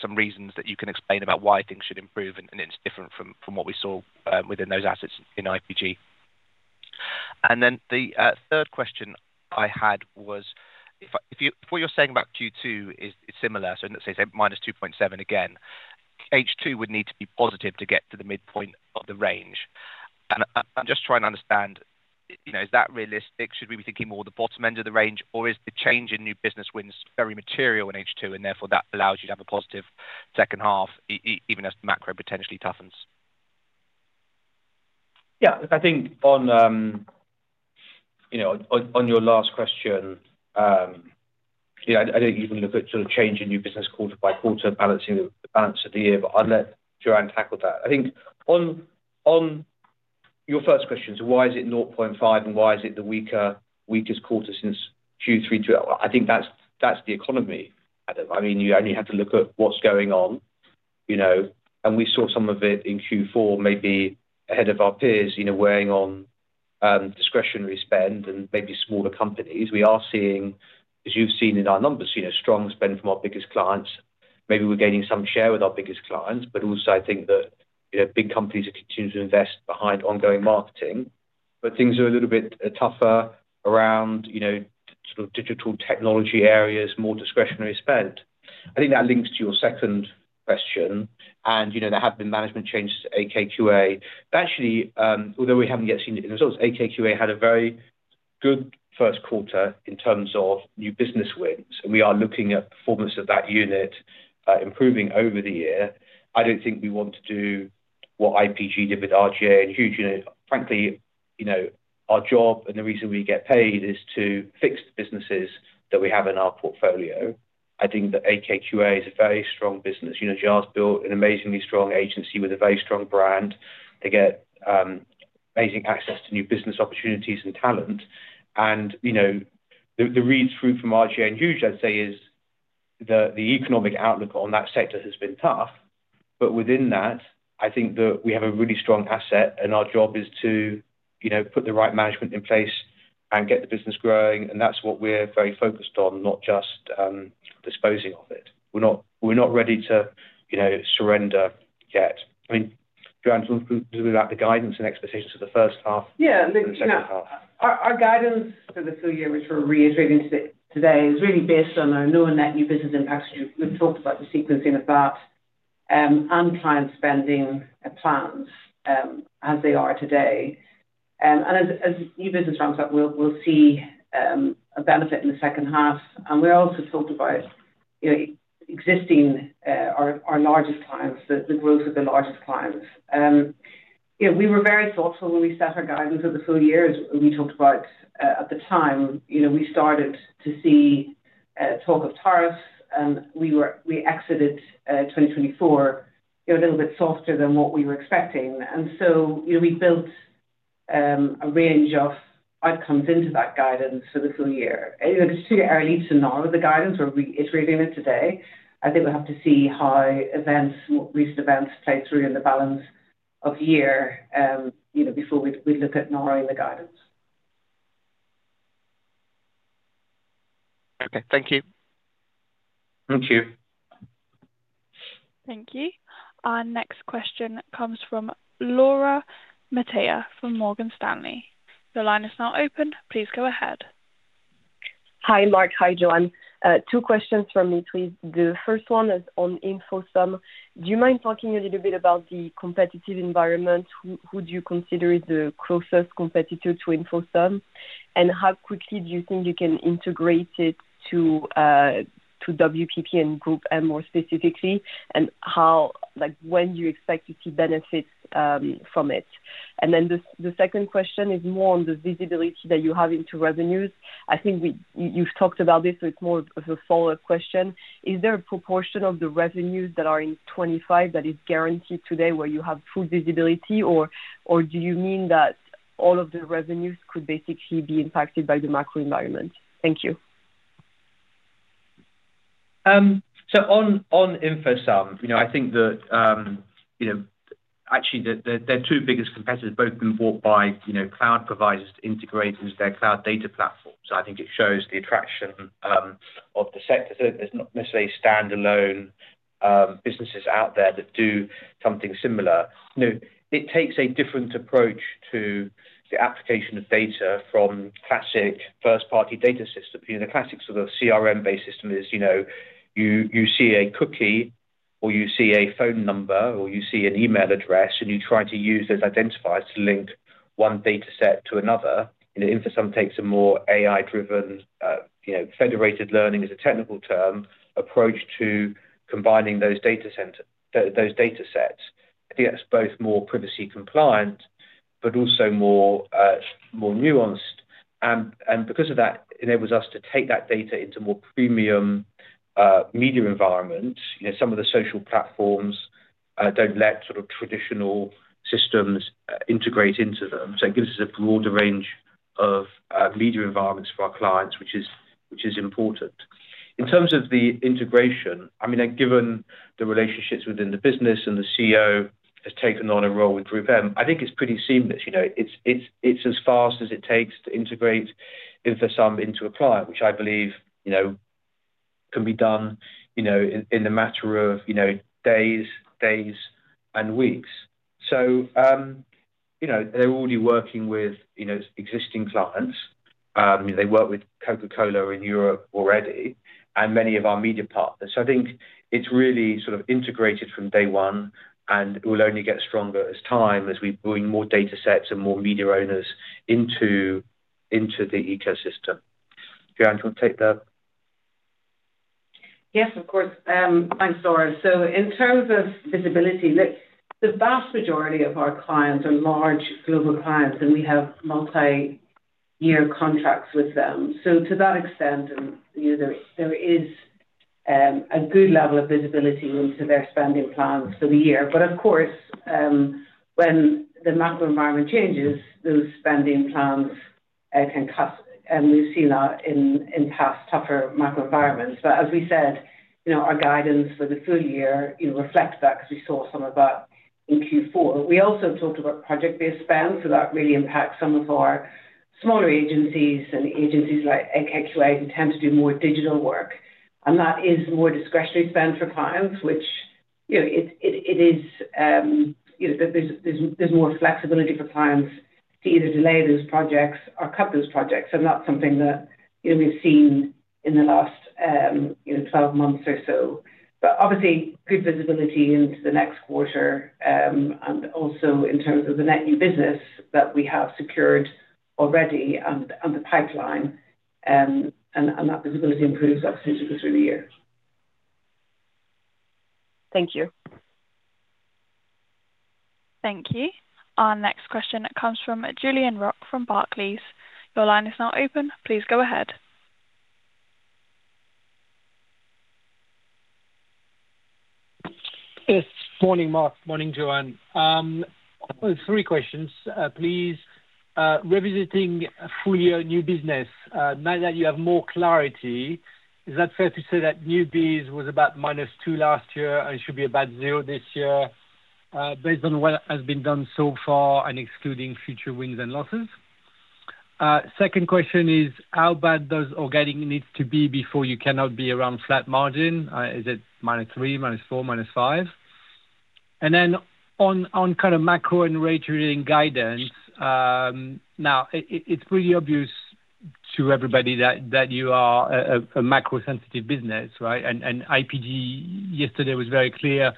some reasons that you can explain about why things should improve and it's different from what we saw within those assets in IPG? The third question I had was, before you're saying about Q2 is similar, so let's say minus 2.7% again, H2 would need to be positive to get to the midpoint of the range. I'm just trying to understand, is that realistic? Should we be thinking more of the bottom end of the range, or is the change in new business wins very material in H2, and therefore that allows you to have a positive second half, even as the macro potentially toughens? Yeah. I think on your last question, I don't even look at sort of changing new business quarter by quarter, balancing the balance of the year, but I'll let Joanne tackle that. I think on your first question, so why is it 0.5, and why is it the weakest quarter since Q3? I think that's the economy. I mean, you only have to look at what's going on. We saw some of it in Q4, maybe ahead of our peers, weighing on discretionary spend and maybe smaller companies. We are seeing, as you've seen in our numbers, strong spend from our biggest clients. Maybe we're gaining some share with our biggest clients, but also I think that big companies are continuing to invest behind ongoing marketing. Things are a little bit tougher around sort of digital technology areas, more discretionary spend. I think that links to your second question. There have been management changes to AKQA. Actually, although we haven't yet seen it in results, AKQA had a very good first quarter in terms of new business wins. We are looking at performance of that unit improving over the year. I don't think we want to do what IPG did with RGA in huge unit. Frankly, our job and the reason we get paid is to fix the businesses that we have in our portfolio. I think that AKQA is a very strong business. JAS built an amazingly strong agency with a very strong brand. They get amazing access to new business opportunities and talent. The read-through from RGA in huge, I'd say, is that the economic outlook on that sector has been tough. Within that, I think that we have a really strong asset, and our job is to put the right management in place and get the business growing. That is what we are very focused on, not just disposing of it. We are not ready to surrender yet. I mean, Joanne, do you want to talk about the guidance and expectations for the first half? Yeah. Our guidance for the full year, which we are reiterating today, is really based on our knowing that new business impacts. We have talked about the sequencing of that and client spending plans as they are today. As new business ramps up, we'll see a benefit in the second half. We also talked about existing or our largest clients, the growth of the largest clients. We were very thoughtful when we set our guidance for the full year. We talked about, at the time, we started to see talk of tariffs, and we exited 2024 a little bit softer than what we were expecting. We built a range of outcomes into that guidance for the full year. It's too early to narrow the guidance. We're reiterating it today. I think we'll have to see how recent events play through in the balance of year before we look at narrowing the guidance. Thank you. Thank you. Thank you. Our next question comes from Laura C. Metayer from Morgan Stanley. The line is now open. Please go ahead. Hi, Mark. Hi, Joanne. Two questions from me, please. The first one is on Infosum. Do you mind talking a little bit about the competitive environment? Who do you consider is the closest competitor to Infosum? How quickly do you think you can integrate it to WPP and GroupM more specifically, and when do you expect to see benefits from it? The second question is more on the visibility that you have into revenues. I think you've talked about this, so it's more of a follow-up question. Is there a proportion of the revenues that are in 2025 that is guaranteed today where you have full visibility, or do you mean that all of the revenues could basically be impacted by the macro environment? Thank you. On Infosum, I think that actually their two biggest competitors have both been bought by cloud providers to integrate into their cloud data platforms. I think it shows the attraction of the sector. There are not necessarily standalone businesses out there that do something similar. It takes a different approach to the application of data from classic first-party data systems. The classic sort of CRM-based system is you see a cookie, or you see a phone number, or you see an email address, and you try to use those identifiers to link one data set to another. Infosum takes a more AI-driven, federated learning as a technical term, approach to combining those data sets. I think that is both more privacy compliant but also more nuanced. Because of that, it enables us to take that data into more premium media environments. Some of the social platforms do not let sort of traditional systems integrate into them. It gives us a broader range of media environments for our clients, which is important. In terms of the integration, I mean, given the relationships within the business and the CEO has taken on a role with GroupM, I think it is pretty seamless. It is as fast as it takes to integrate Infosum into a client, which I believe can be done in a matter of days, days, and weeks. They are already working with existing clients. They work with Coca-Cola in Europe already and many of our media partners. I think it is really sort of integrated from day one, and it will only get stronger as time as we bring more data sets and more media owners into the ecosystem. Joanne, do you want to take that? Yes, of course. Thanks, Laura. In terms of visibility, the vast majority of our clients are large global clients, and we have multi-year contracts with them. To that extent, there is a good level of visibility into their spending plans for the year. Of course, when the macro environment changes, those spending plans can cut, and we've seen that in past tougher macro environments. As we said, our guidance for the full year reflects that because we saw some of that in Q4. We also talked about project-based spend. That really impacts some of our smaller agencies and agencies like AKQA who tend to do more digital work. That is more discretionary spend for clients, which means there's more flexibility for clients to either delay those projects or cut those projects. That's something that we've seen in the last 12 months or so. Obviously, good visibility into the next quarter and also in terms of the net new business that we have secured already and the pipeline. That visibility improves, obviously, through the year. Thank you. Thank you. Our next question comes from Julien Roch from Barclays. Your line is now open. Please go ahead. Good morning, Mark. Morning, Joanne. Three questions, please. Revisiting full-year new business, now that you have more clarity, is it fair to say that new business was about minus 2 last year and should be about 0 this year based on what has been done so far and excluding future wins and losses? Second question is, how bad does organic need to be before you cannot be around flat margin? Is it minus 3, minus 4, minus 5? On kind of macro and rate-relating guidance, now, it's pretty obvious to everybody that you are a macro-sensitive business, right? IPG, yesterday, was very clear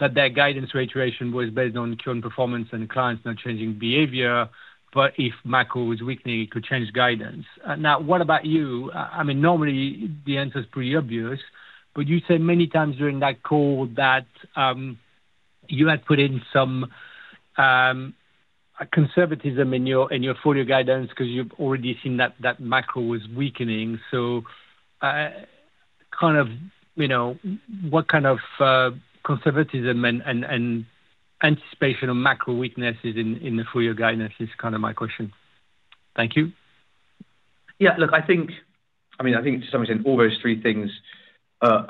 that their guidance rate-relation was based on current performance and clients not changing behavior. If macro was weakening, it could change guidance. What about you? I mean, normally, the answer is pretty obvious. You said many times during that call that you had put in some conservatism in your full-year guidance because you've already seen that macro was weakening. What kind of conservatism and anticipation of macro weaknesses in the full-year guidance is my question. Thank you. Yeah. Look, I think, I mean, I think to some extent, all those three things are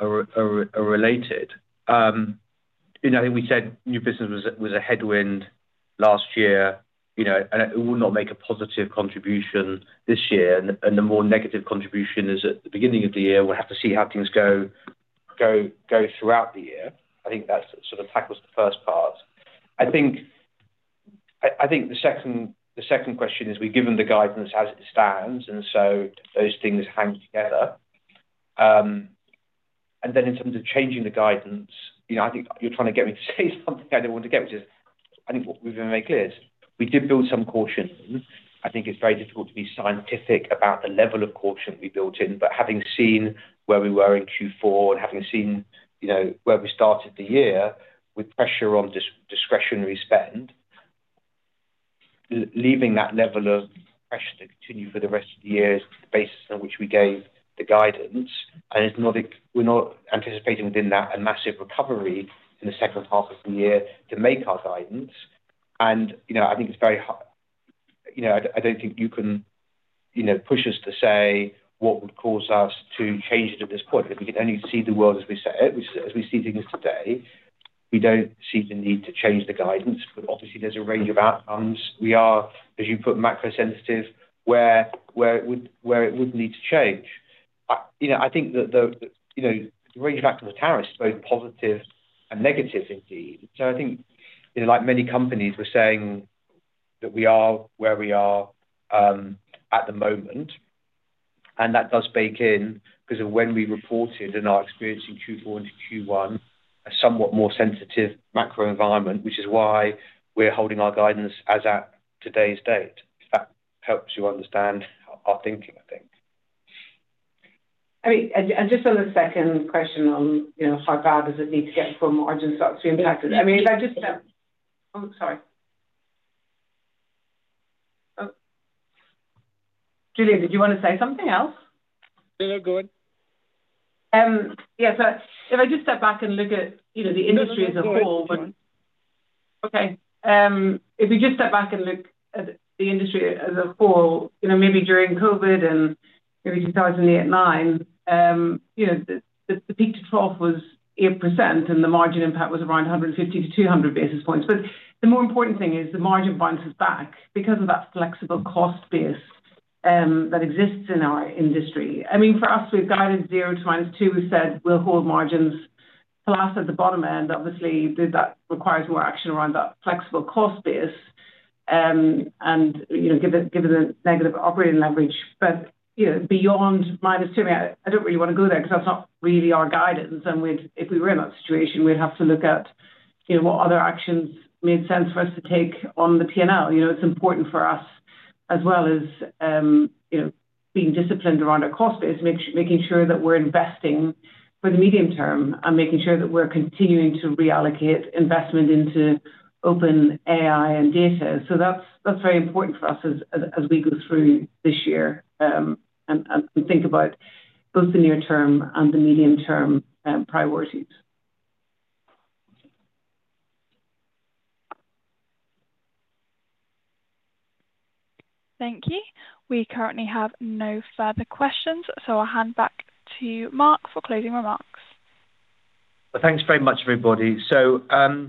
related. I think we said new business was a headwind last year, and it will not make a positive contribution this year. The more negative contribution is at the beginning of the year. We'll have to see how things go throughout the year. I think that sort of tackles the first part. I think the second question is we've given the guidance as it stands, and so those things hang together. In terms of changing the guidance, I think you're trying to get me to say something I don't want to get, which is I think what we've made clear is we did build some caution. I think it's very difficult to be scientific about the level of caution we built in. Having seen where we were in Q4 and having seen where we started the year with pressure on discretionary spend, leaving that level of pressure to continue for the rest of the year is the basis on which we gave the guidance. We are not anticipating within that a massive recovery in the second half of the year to make our guidance. I think it is very hard. I do not think you can push us to say what would cause us to change it at this point because we can only see the world as we see things today. We do not see the need to change the guidance. Obviously, there is a range of outcomes. We are, as you put, macro-sensitive where it would need to change. I think that the range of outcomes of tariffs is both positive and negative indeed. I think, like many companies, we're saying that we are where we are at the moment. That does bake in because of when we reported and our experience in Q4 into Q1, a somewhat more sensitive macro environment, which is why we're holding our guidance as at today's date. If that helps you understand our thinking, I think. I mean, and just on the second question on how bad does it need to get for margin stocks to be impacted? I mean, if I just step—oh, sorry. Julien, did you want to say something else? No, no. Go on. Yeah. If I just step back and look at the industry as a whole, okay, if we just step back and look at the industry as a whole, maybe during COVID and maybe 2008, 2009, the peak to trough was 8%, and the margin impact was around 150 to 200 basis points. The more important thing is the margin bounces back because of that flexible cost base that exists in our industry. I mean, for us, we've guided 0% to -2%. We've said we'll hold margins plus at the bottom end. Obviously, that requires more action around that flexible cost base and given the negative operating leverage. Beyond -2%, I mean, I do not really want to go there because that is not really our guidance. If we were in that situation, we'd have to look at what other actions made sense for us to take on the P&L. It's important for us, as well as being disciplined around our cost base, making sure that we're investing for the medium term and making sure that we're continuing to reallocate investment into open AI and data. That is very important for us as we go through this year and think about both the near-term and the medium-term priorities. Thank you. We currently have no further questions. I will hand back to Mark for closing remarks. Thank you very much, everybody. I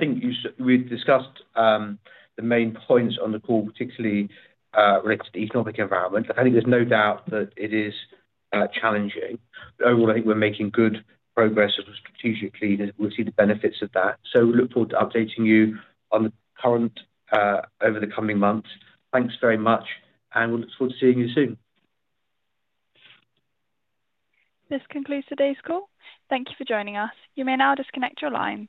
think we've discussed the main points on the call, particularly related to the economic environment. There is no doubt that it is challenging. Overall, I think we're making good progress strategically. We will see the benefits of that. We look forward to updating you on the current over the coming months. Thanks very much. We look forward to seeing you soon. This concludes today's call. Thank you for joining us. You may now disconnect your lines.